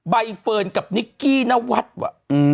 ใบเฟิร์นกับนิกกี้นวัดว่ะ